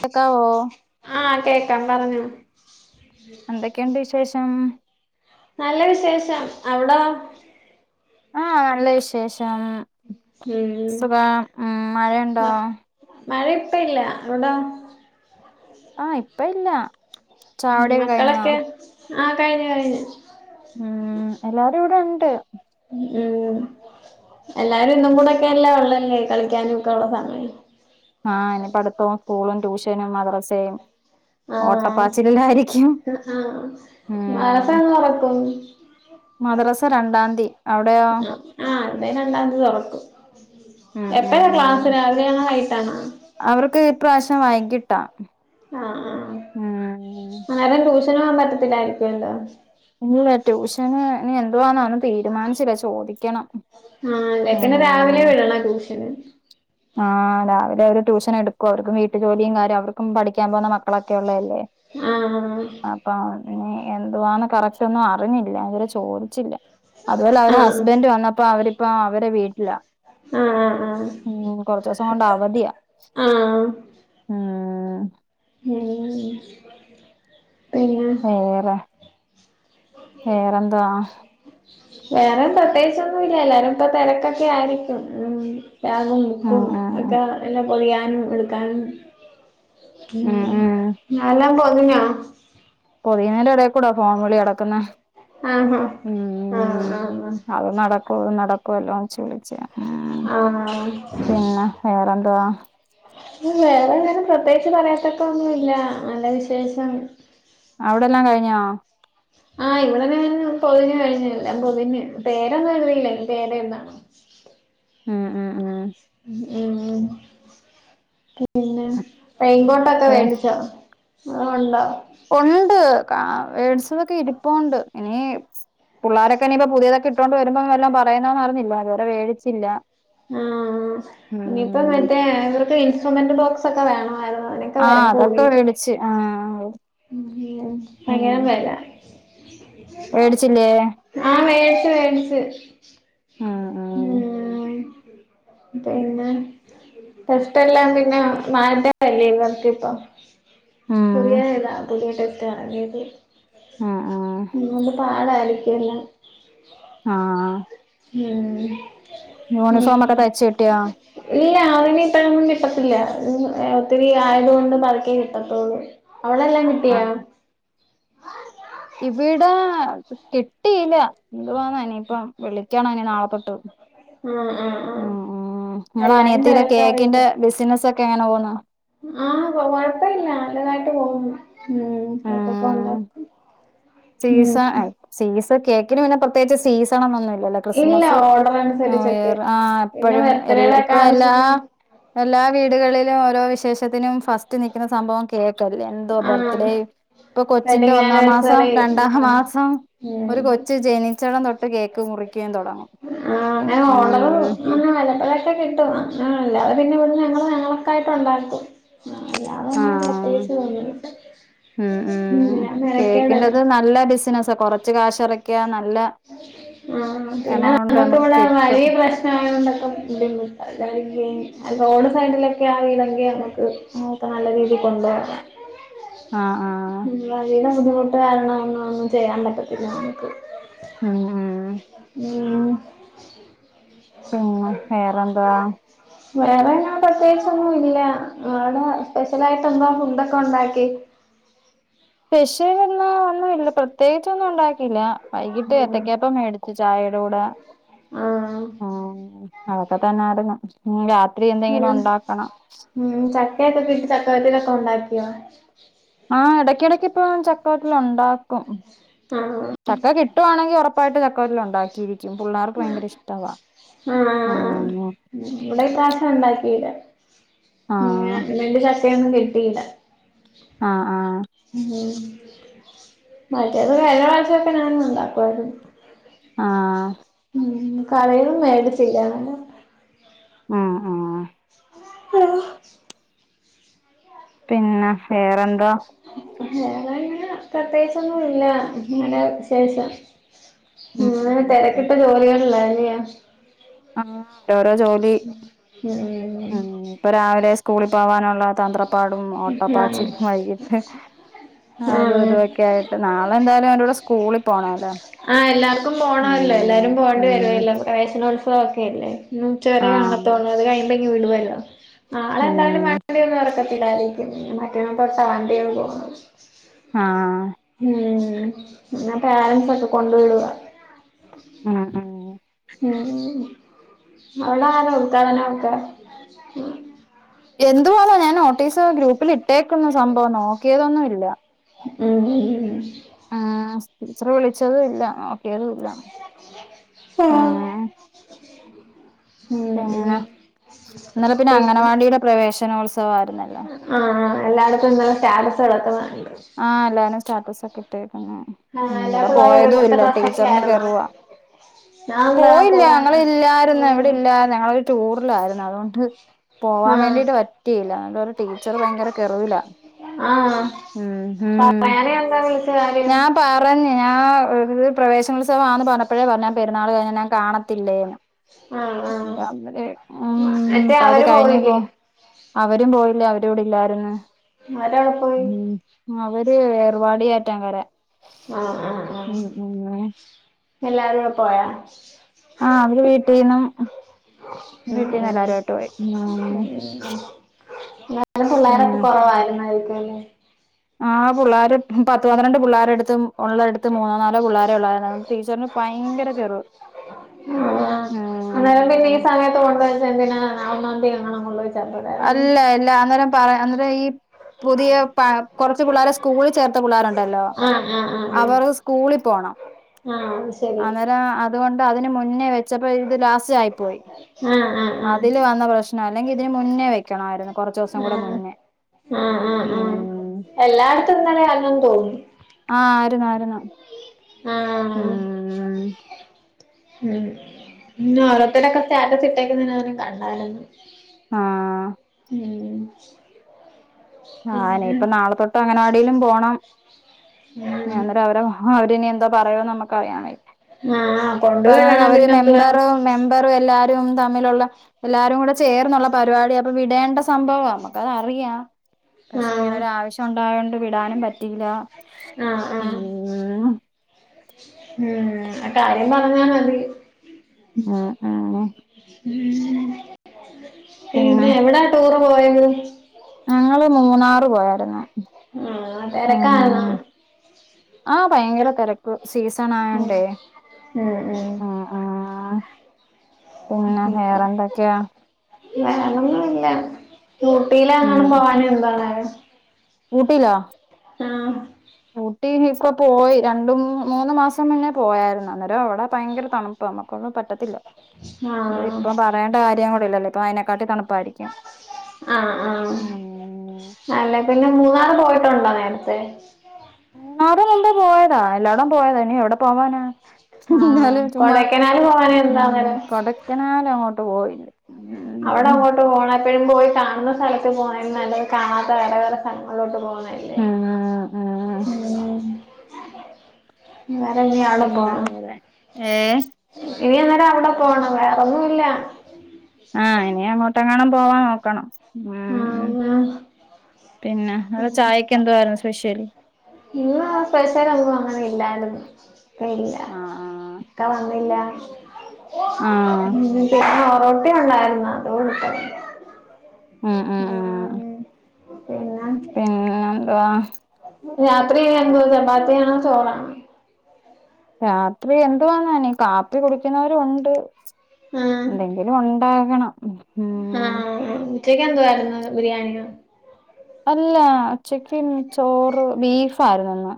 കേക്കാവോ ആഹ് കേക്കാം പറഞ്ഞോ എന്തൊക്കെയുണ്ട് വിശേഷം നല്ല വിശേഷം അവിടോ ആഹ അല്ല വിശേഷ ഉം ഉം സുഖം ഉം മഴയുണ്ടോ മ- മഴ ഇപ്പ ഇല്ല അവിടോ ആഹ ഇപ്പ ഇല്ല ഉ ചായകുടിയൊക്കെ കഴിഞ്ഞോ മക്കളൊക്കെ ആഹ് കഴിഞ്ഞ കഴിഞ്ഞ ഉം.. എല്ലാവരും ഇവി ഉട് ഉം എല്ലാരും ഇന്നും കൂടെൊക്കെ എല്ലാ ഉള്ളല്ലേ കളിക്കാനും ഒക്കെ ഉള്ള സമയം ആഹ് ഇനി പഠത്തവും സ്കൂളും ട്യൂഷനും മദ്രസയും ആഹ് ഓട്ടപ്പാച്ചിലിലായിരിക്കും ആഹ് മദ്രസ ഉം എന്ന് തുറക്കും മദ്രസ രണ്ടാം തീയതി ആ ആ ഇവിടെ രണ്ടാം തീ തൊറക്കും ഉം ഉം എപ്പഴാ ഉം ക്ലാസ് രാവിലെയാണോ വൈകിട്ടാണോ ഈ പ്രാവിശ്യം വൈകിട്ട ആഹ്‌ ഹാ ആരാ ട്യൂ നാ... പറ്റത്തിലാരികുവല്ലോ ല്ല ട്യൂഷന് ഇനി എന്തുവാന് ഒന്നും തീരുമാനിച്ചില്ല ചോദിക്കണം ആഹ് ചെക്കനെ രാവിലെ ഉം വിടണം ട്യൂഷന് ആഹ് രാവിലെ ഓര് ട്യൂഷൻ എടുക്കോ അവർക്കും വീട്ടു ജോലിയും കാര്യം അവർക്കും പഠിക്കാൻ പോകുന്ന മക്കളൊക്കെ ഉള്ള അല്ലെ ആഹ് ഹ് പിന്നെ എന്തുവാാണ് കറക്റ്റ് ഒന്നും അറിഞ്ഞില്ല ഇതരെ ചോദിച്ചില്ല അതുപോലെ അവര് ആഹ് ഹസ്ബൻഡ് വന്നപള ഇ പ്പ അവടെ വീട്ടില ആ ആ കുറച്ച ദിവസം കൊണ്ട് അവധിയാ ഉമ് പിന്നെ വേറെ.. വേറെന്താ വേറെ പ്രത്യേകിച്ചൊന്നും ഇല്ല എല്ലാരും ഇപ്പൊ തിരക്കൊക്കെ ആയിരിക്കും ഉമ് ബാഗും ഉം ബുക്കും ഉം ഒക്കെ ല്ലാം പൊതിയാനും എടുക്കാനും ഓ ഉം ഞ്ഞ ഉം മല്ലാം പോ പൊതിഞ്ഞോ പൊതിയെന്റെ ഇടയികൂടാ ഫോൺവിളി നടക്കുന്നെ ആഹ് ആഹ് ആഹ് ഉം ആഹ് ആഹ് നടക്കല്ലോന്നേച്ച് വിളിച്ചയാ ആഹ് വേറെന്തുവാ വേറെ എങ്ങനെ പ്രത്യേകിച്ച് പറയാത്തക്ക ഒന്നു ഇല്ല നല്ല വിശേഷം അവിടെ എല്ലാം കഴിഞ്ഞോ ആഹ് ഇവിടെ ഞാൻ പൊതിഞ്ഞു കഴിഞ്ഞെല്ലാം പൊതിഞ് പേരൊന്നും എഴുതില്ലാ ഇനി പേരെഴുതണം ഉമ് ഉ മ് ഉ മ് ഉമ് പിന്നെ റെയിൻ കോട്ടൊക്കെ ഏ വേടിച്ചോ ആതോ ഉണ്ടോ ഉണ്ട് ആ വേടിച്ചതൊക്കെ ഇരിപ്പുണ്ട് ഇനി പുള്ളാ രൊക്കെ ഇനിയിപ്പോ പുതിയതൊക്കെ ഇട്ടോൊണ്ട് വരുമ്പോ വെല്ലോം പറയൂന്ന് പറഞ്ഞ് അതുവരെ വേടിച്ചില്ല ആ ഇനിയിപ്പ ഉം മറ്റേ ഇവർക്ക് ഇൻസ്‌ട്രുമെന്റ് ബോക്സ്‌ ഒക്കെ വേണമായിരുന്നു അതിനൊക്കെ ആഹ് അതൊക്കെ വേടിച്ച് ആഹ് ഉ [unintelligible] വേടിച്ചില്ലേ ആഹ വേടിച് വേണ്ച് ഉം ഊ ഉം പിന്നെ ടെസ്റ്റെല്ലാം പിന്നെ മാറ്റിതെല്ലേ ഇവർക്കിപ്പ പുതിയ ഉം ഇതാ പുതിയ ടെസ്റ്റാണ് [unintelligible] ഉം ഉം ന്നട്ട് പാടാലെ പിന്നെ ആആ ഉം ഉ ഒക്കെ തയ്ച്ച് കിട്ടിയോ ഇല്ല അവനിപ്പം എത്തത്തില്ല ഉം എത്തിരി ആയത് കൊണ്ട് പത്ക്കേ കിട്ടത്തുള്ളൂ അവിടെല്ലാം- കിട്ടിയോ ഇവീടാ കിട്ടിയില്ല എന്തുവാനെനിയിപ്പം വിളി ക്യണ് ഇനി നാളെത്തൊട്ടു ആഹ് ആഹ് ഉ ആഹ് ഉ ഇങ്ങളെ എല്ലാരും അനിയത്തിന്റെ കേക്കിന്റെ ബിസിനസൊ ക്കെ എങ്ങനെപൊവുന്നോ ആഹ കൊഴപ്പല്ല നല്ലാതായിട്ട് പോവുന്നു ഉം കേക്കൊക്കെ ആഹ് ഉണ്ടാക്കും ഉം ഇ കേക്കിന് പിന്നെ പ്രത്യേയ്ച്ച് സീണണൊന്നും ഇല്ല വെല്ല ഇല്ല ക്രിസ്മസ് ഓർഡർ അ അനുസരിച്ചൊക്കെ അ പിന്നെ എപ്പഴും ബർത്ത്ഡേയുടെ ഇപ്പ ഒക്കെ ആവശ്യത്തിന് എല്ലാ വീടുകളിലോരോ വിശേഷത്തിനും ഫസ്റ്റ് നിക്ക്‌ണ സംഭവം കേക് [unintelligible] എന്തോ ആഹ് ബർത്ത്ഡേയും പ്പൊ കൊച്ചിന്റെ വെഡിങ് ഒന്നാം മാസം ആനിവേഴ്സറി രണ്ടാം ഹ ഉം മാസം ഒരു കൊച്ച് ജനിച്ച തൊട്ട് കേക്ക്‌മുറി ആ ഞാ ഓർഡറ് [unintelligible] കിട്ടും [unintelligible] പിന്നെ എബടെ ഞങ്ങള് ഞങ്ങളൊക്കായിട്ടണ്ടാക്കും ആഹ് ഉം ഉം എല്ലാം മെനക്കേടല്ലേ കേക്കിന്റെത് നല്ല ബിസിനസ കൊറച്ച് കാശ് എറ ക്ക്യാന ആ പിന്നെ നമക്ക്‌ നമുക്ക് ഇവിടെ കിട്ടും വഴി പ്രശ്നായത്ണ്ട് [inaudible] റോഡ് സൈഡിലൊക്കെ ആണെങ്കി നമുക്ക് [inaudible] ആ ആ വഴിയുടെ ബുദ്ധിമുട്ട് കാരണമൊന്നുമൊന്നും ചെയ്യാൻ പറ്റത്തില്ല നമുക്ക് ഉം ഉം മ്മ് ഉം വേറെന്താ വേറെ ഞാൻ പ്രതേകിച്ച് ഒന്നും ഇല്ല ഇവടെ സ്പെഷ്യലായിട്ട് എന്താ ഫുഡ്‌ ഒക്കെ ഉണ്ടാക്കി പെഷ്യൽ ഇന്ന് ഒന്നുമില്ലാ പ്രത്യേകിച്ചൊന്നും ഉണ്ടാക്കില്ല വൈകിട്ട് ഉം ഏത്തക്കപ്പം മേടിച്ചു ചായയുടെ കൂടെ ആഹ് അ അതൊക്കെ തന്നെ ആരു [unintelligible] മ് ചക്ക [unintelligible] ചക്കവെറ്റില് ഉണ്ടാക്കിയോ ആ ഇടക്ക് ഇടക്ക് ഇപ്പൊ ചക്കവറ്റിൽ ഉണ്ടാക്കും ആഹ് ചക്ക കിട്ടുവാണെങ്കി ഉറപ്പ ആയിട്ട് ചക്ക [unintelligible] ഉണ്ടാക്കി അ അ അ ആഹ് ഇവിടെ ഈ പ്രാവിശ്യം ഉണ്ടാക്കില്ല എ ആഹ് [unintelligible] യൊന്നും കിട്ടിയില്ല ആ ആ മറ്റേത് കഴിഞ്ഞ പ്രാവശ്യമൊക്കെ ഞാൻ ഉണ്ടാക്കുവായിരുന്നു ആഹ് ഉം കറയും മേടിച്ചിലാന്നല്ലേ ആ ആ ഹലോ പിന്നെ വേറെന്താ വേറെ ഇങ്ങനെ പ്രത്യേകിച്ചൊന്നും ഇല്ല ഇങ്ങനെ വിശേഷം ഉം ഉം ഇങ്ങനെ തേരക്കിട്ട ജോലികളില്ലാ [unintelligible] ആ [unintelligible] ഇപ്പം ജോലി ഉം രാവിലെ സ്കൂളി പോവാനുള്ള ത തന്ത്രപ്പാടും ആഹ് ഓട്ടപ്പാച്ചിലും വൈകീട്ട് അതും ആഹ് ഇതൊക്കെ ആയിട്ട് നാളെ എന്തായാലും അവന്റെ കൂടെ സ്കൂളിൽ പോണല്ലോ ആഹ് എല്ലാർക്കും ഉം പോണമല്ലോ ഉം യേല്ലേ ഇന്നുച്ചവരെ ആഹ് കാണത്തോളു അത് കഴിഞ്ഞ് ങ്ങ് വിടുവല്ലോ നാളെന്തായാലും വേണ്ടി ഉം [unintelligible] യിരിക്കും മറ്റന്നാ തൊട്ട വണ്ടിയേള് പോകുന്നത് ആഹ് ഉം ഇന്ന് പേരൻ്റ്സ് ഒക്കെ കൊണ്ട് വിടുവാ മ്മ് മ്മ് മ്മ് മ്മ് അവിടാരാ ഉദ്ഘാടനോക്കെ എന്തുവാ ഞാൻ നോട്ടീസ് ഗ്രൂപ്പിൽ ഇട്ടേക്കുന്നു സംഭവം നോക്കിയതൊന്നുല്ല [unintelligible] ആ ടീച്ചറ് വിളിച്ചതും ഇല്ല ഏതുല്ലാ ഉം ഉം ഉം പിന്നെ ഇന്നലെ പിന്നെ അംഗനവാടിടെ പ്രവേശനോത്സ ത്സവയിരുന്നല്ലോ ആ എല്ലാരതും ഇന്നലെ സ്റ്റാറ്റസ് കടക്കുന്ന ആഹ് എല്ലാരും സ്റ്റാറ്റസ് ഒക്കെട്ട് ആ ആഹ് എല്ലാ വിടെ പിള്ളേരും പോയതും ഒരുപോലത്തെ ഇല്ല ഡ്രസ്സൊക്കെ ടീച്ചറിന് ആയിരുന്നോ കൊർവ ഞാൻ ദാ പോയില്ല പോവാൻ ഞങ്ങള് ഇല്ലായിരുന്നു ഓഹ് ഇവിടെല്ലായിര്ന്ന് ഞങ്ങളൊരു ടു പ്രിലായിരുന്നു അതോണ്ട് പോവാൻ ആഹ് വേണ്ടിട്ട് പറ്റിയില്ല അടെരു ടീച്ചർ ഭയങ്കര കെറുവില ആഹ് മ് ഹ് പറയാനെ എന്താ വിളിച്ച കാര്യം ഞാൻ പറഞ്ഞ് ഞാ ഒരുത് പ്രവേശനോത്സവമാന്ന് പറഞ്ഞപ്പോഴേ പറഞ്ഞ് ഞാ പെരുന്നാൾ കഴിഞ്ഞാ ഞാ കാണത്തില്ലേന്ന് ആഹ് ആഹ് [unintelligible] മറ്റേ അത് അവര് കഴിഞ്ഞു പോ പോയില്ലേ അവരും പോയില്ല അവരൂവിടെ ഇല്ലായിരുന്ന് മല എവിടെ പോയി അവര് ഏർവാടിയേറ്റാകര ആ ആ ആ എല്ലാരും ടെ പോയാ ആ അവര് വീട്ടിന്നും മ് ഉം മ് ന്ന പിള്ളേരൊക്കെ പിന്നെ കുറവായിരുന്ന [unintelligible] ആ പുള്ളാര്ക് പത്ത് പന്ത്രണ്ട് പുള്ളേരുടുത്തും ഉള്ള എടു ത്ത് മൂന്നോ നാലോ പുള്ളാരെയൊള്ളാരുന്നു ടീച്ചറിന് ഭയങ്കര കെർവ് ആ അന്നേരം പിന്നെ ഈ സമയത്ത് കൊണ്ടച്ച എന്തിനാ നാളെ ഒന്നാന്തി [unintelligible] അല്ല ഇല്ല അന്നേരം പറ അന്നത്‌ ഈ പുതിയ പ കുറച് പുള്ളേരെ സ്കൂളിൽ ചേർത്ത് പിള്ളേരുണ്ടല്ലോ ആഹ് ആഹ് ആഹ് അവർ ആഹ് സ്കൂളിൽ പോണം ആഹ് അത് ശരി അന്നേരം അതുകൊണ്ട് അതിന് മുന്നേ വെ ച്ചപ്പൊ ഇത് ലാസ്റ്റ് ആയിപോയി അതില് വന്ന പ്രശ്നാ അല്ലെങ്കി ഇതിന് മുന്നേ വെക്കണമായിരുന്നു കുറച്ച് ദിവസം ആ കൂടെ മുന്നേ ആ ആ ആ എല്ലായിടത്തും ഇന്നലെ ആയിരുന്നു തോന്നി ആ ആരുന്നു ആരുന്നു ആ ഉം പിന്നെ ഓരോത്തടെൊക്കെ സ്റ്റാറ്റസ് നാനും കണ്ടാലുന്നു ആ ഉം ആ പിന്നെ നിഇപ്പ നാളെ തൊട്ട് അങ്ങനവാടിലും പോണം ഞ്ഞെ ഉം അന്നേരം അവരെ അവരിനി ന്താ പറയോ നമ്മക്ക് അറിയൻ വെയ് ആഹ് പറഞ്ഞണക്ക് കൊണ്ടുവരണം അവര് പിന്നെന്തുവാ മെമ്പറും മെമ്പറ് എല്ലാ തമ്മിലുള്ള എല്ലാരും കൂടെ ചേർന്നുള്ള പരിപാടി അപ്പൊ വിടേണ്ട സംഭവമാ നമ്മുക്ക അത് അറിയാം. പക്ഷെ ഇങ്ങനെ ആഹ് ഒരു ആവശ്യം ഉണ്ടായോണ്ട് വിടാനും പറ്റിയില്ല ആഹ് ആഹ് ഉം. ഉം ആ കാര്യം കാണാൻ [inaudible] ആഹ ഉം ഉം പിന്നെ എവിടാ ടൂറ് പോയന്ന് ഞങ്ങള് മൂന്നാറ് പോയായിരുന്നു ആ തെരക്കായ്ര്ന്നാ ഉം ആ ഭയങ്കര തെരക്ക്‌ സീസൺ ഉം ആയണ്ടേ ഉം ഉം അ ആ പിന്നെ വെറെ എന്തൊക്കെയാ വേറൊന്നു ഇല്ല ഊട്ടിയിലങ്ങാനം പോവാഞ്ഞെ. ന്താണ് ഊട്ടിലോ ആ ഊട്ടിയിപ്പോ പോയി രണ്ടു മൂന്ന് മൂന്ന്‌ മാസം മുന്നേ പോയായിരുന്നു അന്നേരം അവിടെ ഭയങ്കര തണുപ്പ നമ്മുക്കൊന്നും പറ്റത്തില്ല അ ആഹ് ഇപ്പം പറയേണ്ട കാര്യം കൂടി ഇല്ലല്ലേ ഇപ്പ അയ്ന കാട്ടി തണുപ്പായിരിക്കും ആ ആ ഉം അല്ല പിന്നെ മൂന്നാർ പോയ ട്ടണ്ടോ നേരത്തെ മൂന്നാറ് മുമ്പേ പോയതാ എല്ലാടം പോയതാ ഇനി എവിടെ പോവാനാ ആ എന്നാലും ചുമ്മാ കൊടൈക്കനാൽ പോവാൻ എന്താ ഊം അന്നേരം കൊടക്കനാലങ്ങോ ട്ട് പോയില്ലെ അവിടെ അങ്ങോട്ട് [unintelligible] എപ്പഴും പോയി കാണുന്ന സ്ഥലത്ത് പോണേലും നല്ലത് കാണാത്ത വേറെ വേറെ സ്ഥലങ്ങളിലോട്ട് പോവു ന്നല്ലേ ഉം ഉം ഊം [inaudible] [unintelligible] ഏ ഇനി അന്നേരം അവിടെ പോണം വേറെൊന്നുല്ല ആ ഇനി അങ്ങോട്ട് എങ്ങാണും പോവാൻ നോക്കണം മ് ആ ആ പിന്നെ അല്ല ചായക്ക് എന്തുവായിരുന്നു സ്പെഷ്യല് ഇന്ന് സ്‌പെഷലൊന്നും അങ്ങനെ ഇല്ലാര് ന്ന് ആഹ് [unintelligible] ആഹ് ഇക്ക വന്നില്ല [inaudible] ആഹ് [unintelligible] റൊട്ടി ഉണ്ടാര്ന്നു [unintelligible] ഉം ഉം ഉം പിന്നെ പിന്നെന്ത്വാ രാത്രി [unintelligible] എന്തു ചപ്പാത്തിയാണോ ചോറാണോ രാത്രി എന്ത്വാന്നാനീ കാപ്പി കുടിക്കുന്നവരു ഉണ്ട് ആഹ് എന്തെങ്കിലും ഒന്ന് ണ്ടാകണം ആഹ് അ അ ച്ചക്ക് എന്തുവായിരുന്നു ബിരിയാണി യോ അല്ല ചിക്കൻ ചോറ് ബീഫായിരുന്നുന്ന്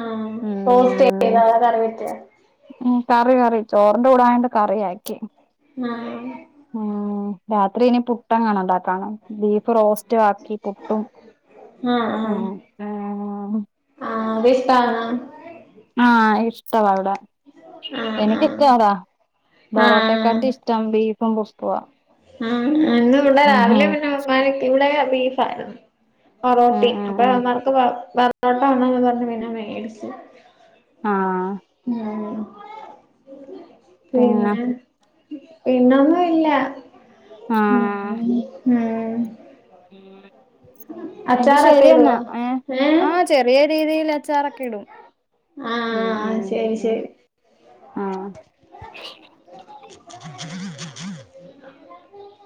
ആഹ് [unintelligible] വേറെ കറി പറ്റോ ഉം കറി കറി ചോറിന്റെ കൂടായണ്ട് കറിയാക്കി [unintelligible] ഉം രാത്രി ഇനി പുട്ടങ്ങണ ഉണ്ടാക്കണം ബീഫ് റോസ്റ്റ് റ്റ ആക്കി പുട്ടും ആഹ് ഉം ആഹ് ഉം ഊം ആഹ് അത് ഇഷ്ടാണോ ആ ഇഷ്ടവാവിട ആഹ് എനിക്കിഷ്ട ആഹ് അടാ ആഹ് ബറോട്ടക്കാട്ടി ഇഷ്ടം ബീഫും പ്പോ ആ അന്ന് ഇവിടെ രാവിലെ പിന്നെ [unintelligible] പീസായിരുന്നു ഉം പൊറോട്ടി ഉം ഉം അപ്പൊനന്നക്ക് വർ വർ അപ്പുറത്തെ കടേന്നു പിന്നെ മേടിച്ച് ആഹ് ഉം പിന്നെ പിന്നൊന്നും ഇല്ല ഉം ഉം ആഹ് ഉം [inaudible] ഇം എങ്കി അച്ചാറൊക്കെ ശരിയെന്നാ ഇടുവോ ഏ ഏഹ് ആ ചെറിയ രീതിയില് അച്ചാറൊക്കെ ഇടും ഉം ആഹ ഉം ശരി ഉം ശരി ആഹ് [inaudible]